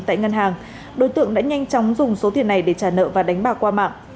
tại ngân hàng đối tượng đã nhanh chóng dùng số tiền này để trả nợ và đánh bạc qua mạng